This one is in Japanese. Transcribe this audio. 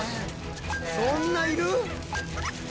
そんないる？